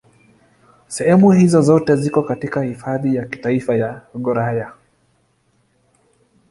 Sehemu hizo zote ziko katika Hifadhi ya Kitaifa ya Gouraya.